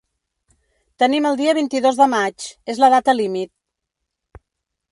Tenim el dia vint-i-dos de maig, és la data límit.